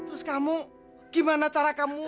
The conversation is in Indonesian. terus kamu gimana cara kamu